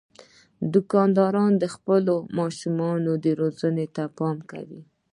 دوکاندار د خپلو ماشومانو روزنې ته پام کوي.